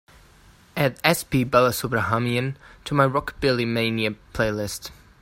Add sp balasubrahmanyam to my rockabilly mania playlist.